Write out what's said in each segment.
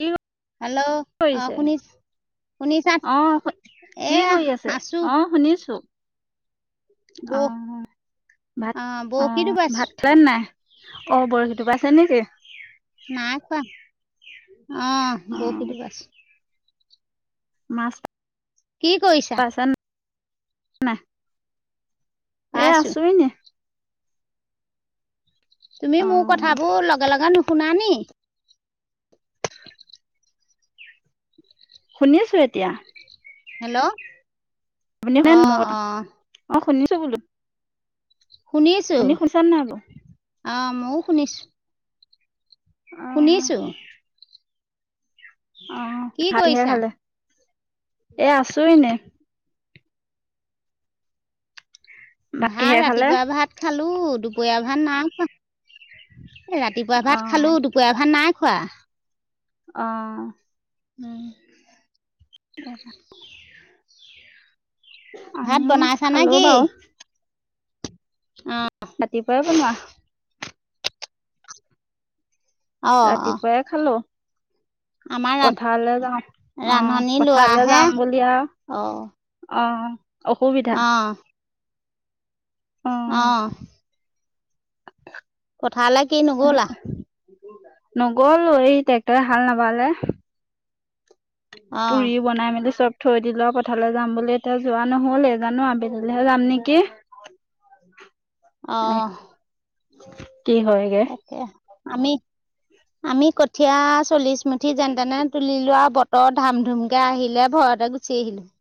কি হেল্ল' অ', কৰিছে? শুনিছ শুনিছা অ', শু- এ কি কৰি আছে? আছো। অ', শুনিছো। বৌ অ', ভাত অ বৰশীটো অ', বাইছো ভাত খালে নে নাই, অ', বৰশীটোপাইছে নেকি? নাই খোৱা অ', অ', বৰশী টোপাইছো। মাছ। কি কৰিছা? পাইছে নাই? এ পাইছো আছো এনেই। তুমি মোৰ অ', কথাবোৰ লগে লগে নুশুনা নি? শুনি আছো এতিয়া। হেল্ল'। আপুনি অ [unintelligible] মোৰ কথা, অ অ' শুনিছো বোলো। শুনি আছো, আপুনি শুনিছে নাই বোলো? আহ মইও শুনিছো। অ', শুনিছোঁ। কি অ', কৰিছা [unintelligible] এ আছো এনেই। ভাত কিহেৰে খালে? ৰাতিপুৱা ভাত খালো, দুপৰীয়া ভাত না খোৱা। এ ৰাতিপুৱা ভাত অ', খালো, দুপৰীয়া ভাত নাই খোৱা। অ'। [inaudible] [unintelligible] ভাত আমিও বনাইছা নে খালো কি? বাৰু। অ'। ৰাতিপুৱাই বনোৱা। অ অ ৰাতিপুৱাই খালো। আমাৰ ৰান পথাৰলৈ যাম, অ' ৰান্ধনী পথাৰলৈ লোৱাহে যাম বুলি আৰু অ', অসুবিধা। অ', অ'। পথাৰলে কি ন নগ'লো, এই ট্ৰেক্টৰে হাল নাবালে। অ', পুৰি বনাই মেলি চব থৈ দিলে পথাৰলৈ যাম বুলি এতিয়া যোৱা নহ'লে, এই জানো আবেলিলৈহে যাম নেকি। এ অ'। কি হয়গে [unintelligible] আমি, আমি কঠিয়া চল্লিশ মুঠি যেন তেনে তুলিলোৱা বত বতৰ ধাম ধুমকে আহিলে, ভয়তে গুচি আহিলো।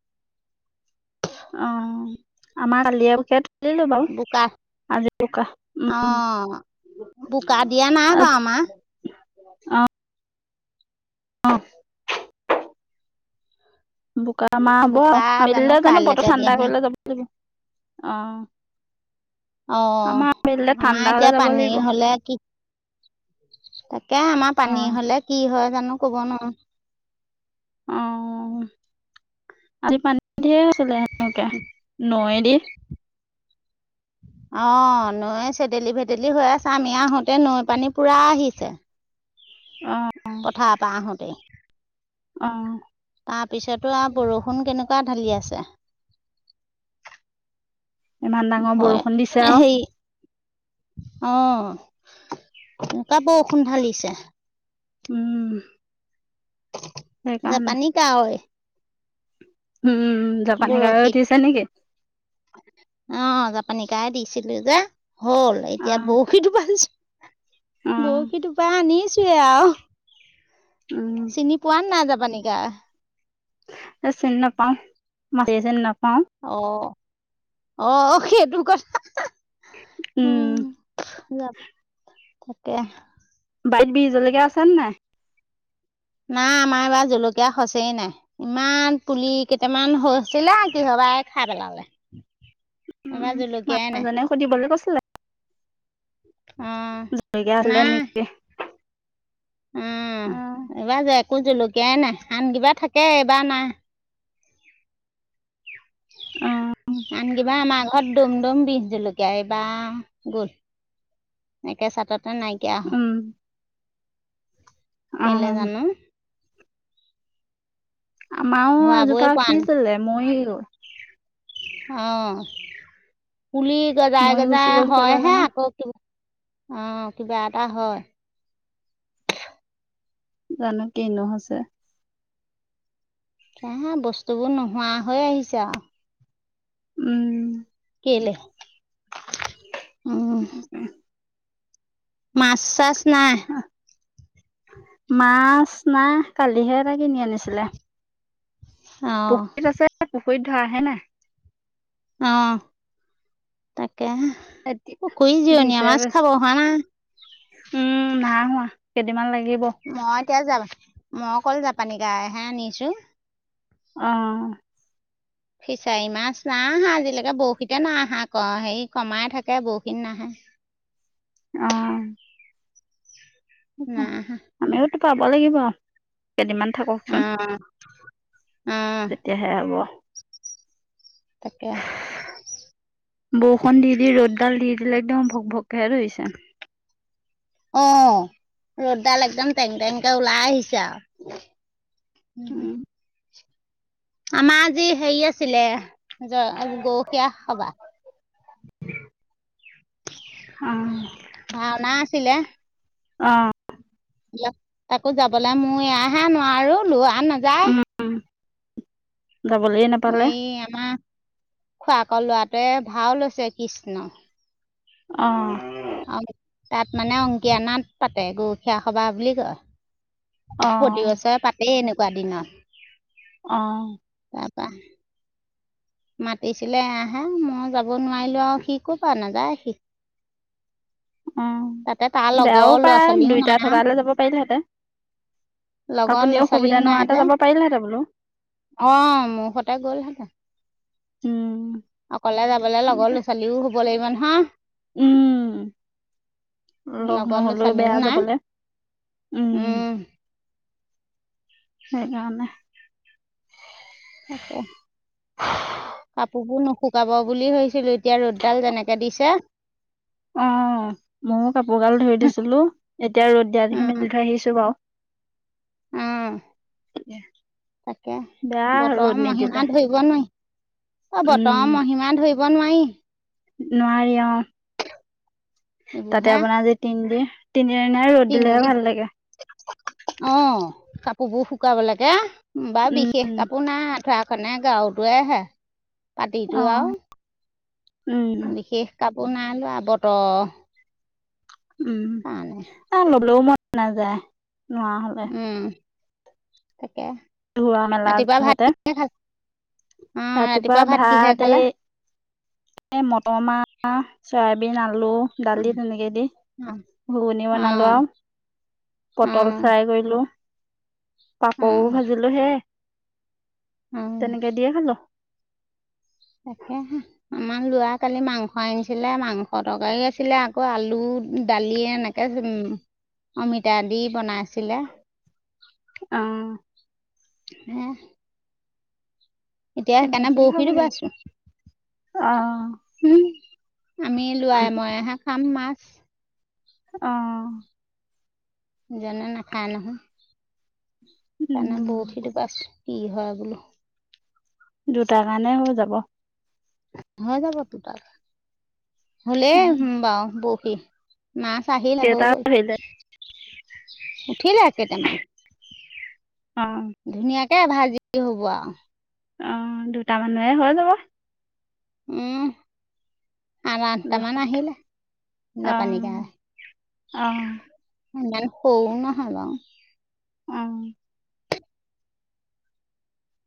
অ', আমাৰ কালি বোকা অ', বোকা [unintelligible] দিয়া নাই [unintelligible] আজ বাৰু আমাৰ। অ', বোক আমাৰ হ'ব বোকা আবিলিলে জানো বতৰ কাইলৈকে দিয়ে ঠাণ্ডা নে কৰিলে যাব লাগিব, অ'। অ', আমাৰ আবেলিলে আমাৰ ঠাণ্ডা হ'লে এতিয়া যাব পানী লাগিব। হ'লে কি তাকে আমাৰ পানী অ' হ'লে, কি হয় জানো কব নোৱাৰো। অ', আজি পানী দিয়ে আছিলে সেনেকে নৈ দি। অ', নৈ চেদেলি ভেদেলি হৈ আছে, আমি আহোতে নৈ পানী পুৰা আহিছে। অ' পথাৰৰ পৰা আহোতে। অ'। তাৰপিছতো আৰু বৰষুণ কেনেকুৱা ঢালি আছে। ইমান ডাঙৰ ভয় বৰষুণ দিছে আৰু [unintelligible] অ', [unintelligible] বৰষুন ঢালিছে। উম। সেইকাৰণে জাপানী কাউৰি। উম। জাপানী গাহৰি উঠিছে বৰশীত। নেকি? অ', জাপানী কাই দিছিলে যে হ'ল, এতিয়া অ', বৰশী তোপাইছো। অ', বৰশী টোপাই আনিছোৱে আৰু। উম, চিনি পোৱা ন নাই, যাবানিকা। এ চিনি নাপাওঁ, মাজ চিনি নাপাওঁ। অ' অ' সেইটো কথা। উম। যাম, তাকে। বাইট বিজলকীয়া আছেনে নাই? নাই, আমাৰ এইবাৰ জলকীয়া খচেই নাই। ইমান, পুলি কেইটামান হৈ আছিলে, কিহবাই খাই পেলালে। উম, এইবাৰ জলকীয়াই মানুহজনে সুধিবলৈ কৈছিলে। উম, জলকীয়া আছিলে নাই। নেকি? উম, অ', এইবাৰ যে একো জলকীয়াই নাই, আন কিবা থাকে, এইবাৰ নাই। অ', আন কিবা আমাৰ ঘৰত দুমদুম বিষ জলকীয়া, এইবাৰ, গল একে চাটতে নাইকিয়া। উম। কেলে অ', যানো। আমাৰও হোৱাবই এজোপা পৰা নাই, উঠিছিলে, মৰি গ'ল। অ' পুলি গজাই, মৰি গুচি গজাই গ'ল কিয়বা হয়হে জানো। আকৌ অ' কিবা এটা হয়। জানো কিনো হৈছে। বস্তুবোৰ নোহোৱা হৈ আহিছে আৰু। উম। কেলে? উম, [unintelligible] মাছ চাছ নাই। মাছ নাই, কালিহে কিনি আনিছিলে, অ', পুখুৰীত আছে, পুখুৰীত ধৰা হে নাই। অ', তাকে এতিয়া পুখুৰি জিৰনীয়া দিছে মাছ বেছি খাব হোৱা নাই। উম নাই হোৱা, কেইদিনমান লাগিব। মই এতিয়া য, মই অকল জাপানী গাইহে আনিছো। উম। ফিচাৰী মাছ নাই আহা, আজিলৈকে বৰশীতে নাই আহা আকৌ হেৰি কমাই থাকে, বৰশীত নাহে। অ'। নাই আহা। আমিওতো পাব লাগিব, কেইদিনমান থাককচোন। অ' আহ, তেতিয়াহে হ'ব তাকে। বৰষুণ দি দি, ৰ'দডাল দি দিলে, একদম ভক ভকেহে ধৰিছে। অ' ৰ'দডাল একদম টেং টেংকে ওলাই আহিছে আৰু। উম [unintelligible] আমাৰ আজি হেৰি আছিলে, গৰুখীয়া সবাহ। উম। ভাওনা আছিলে। অ'। তাকো যাবলৈ, মই এয়াহে নোৱাৰো লোৱা নাযায়। উম। যাবলৈ নেপাও। এই আমাৰ, খোৰাকৰ লৰাটোৱে ভাও লৈছে, কৃষ্ণ। অ'। অ' তাত মানে অংকীয়া নাট পাতে, গৰুখীয়া সবাহ বুলি কয়। অ প্ৰতিবছৰে পাতেই এনেকুৱা দিনত। অ'। তাৰপা মাতিছিলে আহাঁ, মই যাব নোৱাৰিলো, আৰু সি ক'ৰ পৰা যাব, নাযায় সি। অ [inaudible] তাতে তাৰ বেয়াও লগৰ ল'ৰা পায় ছোৱালীও দুইটা নাই। থকা হলে যাব পাৰিলেহেঁতেন লগৰ আপুনি ল'ৰা অসুবিধা ছোৱালীও নাই নোহোৱাতে যে। যাব পাৰিলেহেঁতেন বোলো অ', মোৰ সতে গ'লহেঁতেন। উম। অকলে যাবলে লগৰ ল'ৰা ছোৱালীও হ'ব লাগিব নহয়। উম লগ লগৰ ল'ৰা নহ'লেও ছোৱালীও বেয়া নাই যাবলৈ, উম। সেইকাৰণে। তকে। কাপোৰবোৰ নুশুকাব বুলি ভাবছিলোঁ এতিয়া ৰ'দডাল যেনেকে দিছে। অ', ময়ো কাপোৰ গাল ধুই দিছিলোঁ, এতিয়া ৰ'দ দিয়া দেখি উম মেলি থৈ আহিছোঁ বাৰু। আহ, তাকে বেয়া বতৰ ৰ'দ নিদিলে মহিমা ধৰিব নোৱাৰি। অ', বতৰ উম মহিমা ধৰিব নোৱাৰি। নোৱাৰি অ', তাতে এইবোৰহে আপোনাৰ আজি তিন দি [unintelligible] তিনিদিনাই ৰ'দ দিলেহে ভাল লাগে। অ', কাপোৰ বোৰ শুকাব লাগে। বাৰু বিশেষ উম কাপোৰ নাই আঠুৱা খনে গাৰুটোৱে হে, অ পাতিটো আৰু। উম। বিশেষ কাপোৰ নাই ওলোৱা বতৰ উম, আৰু ল'বলেও মন নাযায়, নোৱাৰা হ'লে। উম, তাকে। ধোৱা মেলা ৰাতিপুৱা যহতে ভাত কিহে খালা? অ', ৰাতিপুৱা ভাত কিহে খালে? এই মটৰ মাহ, চয়াবিন, আলু। অঁ দালি তেনেকৈ দি, ঘুগুনি বনালোঁ আৰু অঁ পটল অঁ ফ্ৰাই কৰিলোঁ। পাপৰ অঁ ভাজিলোঁ সেইয়ায়ে, অঁ তেনেকে দিয়ে খালোঁ। তাকেহে। আমাৰ ল'ৰা কালি মাংস আনিছিলে, মাংস তৰকাৰী আছিলে আকৌ আলু, দালিয়ে এনেকে ত অমিতা দি বনাইছিলে। অ'। উম। এতিয়া সেইকাৰণে তেনেকেই খাব বৰশীটো বাই লাগিব আছোঁ। অ উম, আমি লোৱাই মইহে খাম মাছ। অ'। ইজনে নাখাই নহয়। সেইকাৰণে উম বৰশী টোপাইছোঁ, কি হয় বোলো। দুটাৰ কাৰণে হৈ যাব। হৈ যাব দুটালে, হ, লে উম বাও বৌহি [unintelligible] মাছ আহিলে হৈ কেইটা গ'ল, আহিলে উঠিলে কেইটামান। অ'। ধুনীয়াকে ভাজি হ'ব আৰু। অ', দুটা মানুহে, হৈ যাব। উম। সাত, অ আঠটামান আহিলে, জাপানি কাৱৈ। অ ইমান সৰুও নহয় বাৰু। অ'।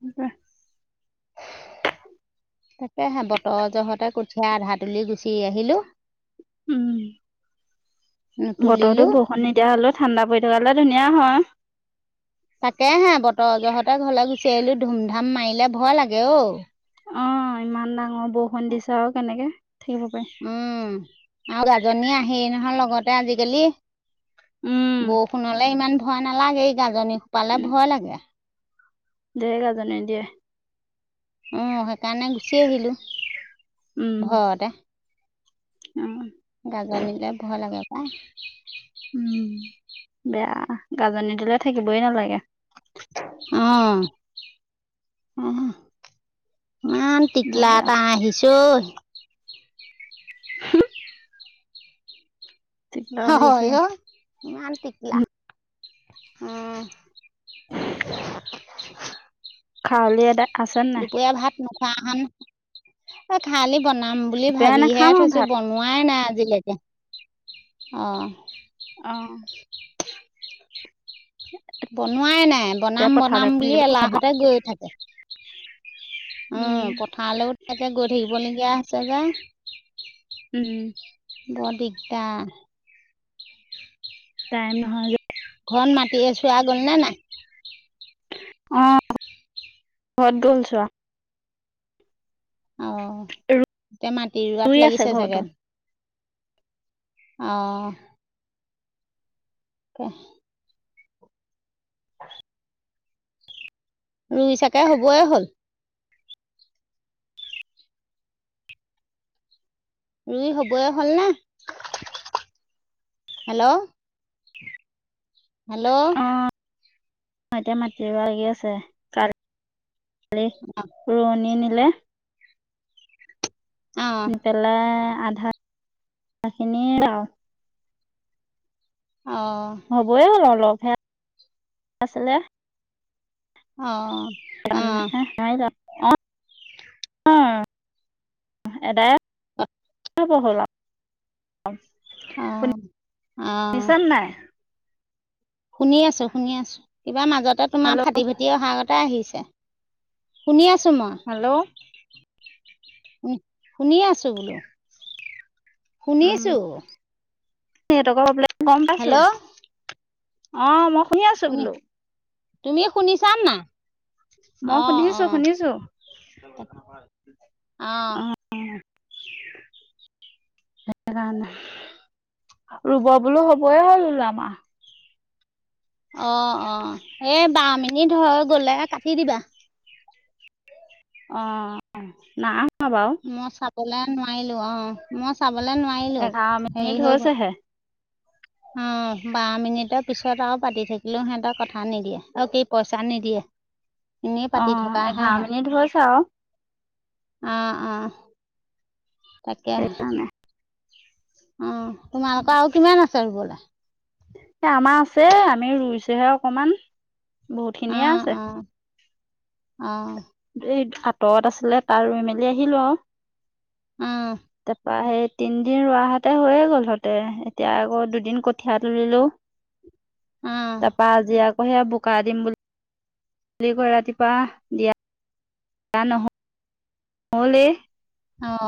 উ [unintelligible] তাকেহে, বতৰ জহতে কঠিয়া আধা তুলি গুচি আহিলোঁ। উম, বতৰটো নুতুলিলোঁ বৰষুণ নিদিয়া হ'লেও ঠাণ্ডা পৰি থকা হ'লে ধুনীয়া হয়। তাকে হে, বতৰ জহঁতে ঘৰলৈ গুচি আহিলো, ধুম ধাম মাৰিলে ভয় লাগে অ'। অ' ইমান ডাঙৰ বৰষুণ দিছা আৰু কেনেকে, থাকিব পাৰে। উম, আৰু গাজনী আহে নহয় লগতে আজিকালি। উম বৰষুণলে ইমান ভয় নালাগে, এই গাজনি খোপালে ভয় লাগে। ধেৰ গাজনি দিয়ে। অ' সেইকাৰণে গুচি আহিলোঁ, উম ঘৰতে। উম। গাজনিলৈ ভয় লাগে পায়। উম, বেয়া, গাজনী দিলে থাকিবই নালাগে। অ', উম, উম। বৰ টিকলা বেয়া এটা আহিছো। [unintelligible] দিগদাৰ হৈ গৈছে হয় অ' ইমান টিকলা উম। খাৱলি এদাই আছে নাই দুপৰীয়া ভাত মুখা খাম, খালি বনাম বুলি দুপৰীয়া ভাবিহে নাখাম আৰু থৈছো ভাত বন হোৱাই নাই আজিলৈকে। অ'। অ'। বনোৱাই নাই, এতিয়া বনাম বনাম, পথাৰলৈ বুলি থাকিলেও হ'ব এলাহতে গৈ থাকে। উম, পথাৰলৈও তেনেকে গৈ থাকিব লগীয়া হৈছে যে। উম। বৰ দিগদাৰ। টাইম নহয়। ঘৰত মাতিয়ে চোৱা গ'ল নে নাই? অ' ঘৰত গ'ল ছোৱা। অ', এতিয়া মাটি ৰুই ৰোৱাত আছে লাগিছে ঘৰতো চাগে। অ'। [unintelligible] [unintelligible] ৰুই চাগে, হবয়ে হ'ল। ৰুই হবই হ'ল ন? হেল্ল'। [unintelligible] হেল্ল'। অ' এতিয়া মতি লাগি আছে, কালি [unintelligible] ৰোৱনী নিলে। অঁ দি পেলাই, আধাখিনি আৰু অ'। হ'বই হল আৰু, অলপহে, আছিলে। অ'। [unintelligible] এদায় হ'ল, আৰু। [unintelligible] অঁ অঁ শুনিছে নে নাই? শুনি আছো, শুনি আছো, কিবা মাজতে তোমাৰ হেল্ল' ফাটি ফা এতিয়া আহা আগতে আহিছে, শুনি আছোঁ মই। হেল্ল'। শুনি শুনি আছো বোলো, শুনিছো। ্ গম পাইছো, হেল্ল' অ' মই শুনি আছো বোলো। তুমি শুনিছা না নাই? মই অঁ শুনিছো অঁ শুনিছো, অ'। [unintelligible] সেই কাৰণে, ৰুব বোলো হবয়ে হ'ল [unintelligible] অ', অ', এই বাৰ মিনিট হয় গ'লে কাটি দিবা। অ', নাই হোৱা বাৰু। মই চাবলে নোৱাৰিলোঁ, অ', মই চাবলে নোৱাৰিলোঁ এঘাৰ মিনিট হেৰি হৈ গ'ল। হৈছেহে অ', বাৰ মিনিটৰ পিছত আৰু পাতি থাকিলও সিহঁতে কথা নিদিয়ে, অ', কি কয় পইচা নিদিয়ে। এনেই পাতি অ' থকা এঘাৰ মিনিট হৈছে আৰু [unintelligible] হয় অ', অ'। তাকেই। সেইকাৰণে অ', তোমালোকৰ আৰু কিমান আছে ৰুবলৈ? এ আমাৰ আছে আমি ৰুইছোহে অকমান বহুত খিনিয়ে অ', আছে। অ', অ'। এই আতৰত আছিলে তাৰ ৰুই মেলি আহিলোঁ আৰু। উম। তাৰপৰা সেই তিনদিন ৰোৱাহাতে হৈয়ে গ'ল হতে এতিয়া আকৌ দুদিন কঠীয়া তুলিলোঁ। [inaudible] অ', তাৰপা আজি আকৌ সেই বোকা দিম বুলি আজি আকৌ ৰাতিপুৱা দিয়া [unintelligible] [unintelligible] অ'।